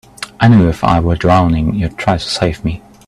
I knew if I were drowning you'd try to save me.